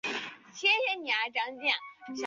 这段近亲恋情遭到双方家长的强烈反对。